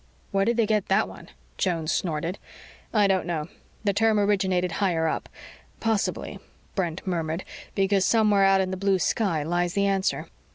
'" "Where did they get that one?" Jones snorted. "I don't know. The term originated higher up. Possibly," Brent murmured, "because somewhere out in the blue sky lies the answer."